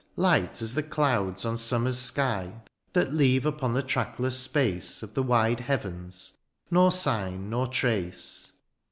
Light as the clouds on summer's sky. That leave upon the trackless space Of the wide heavens, nor sign, nor trace.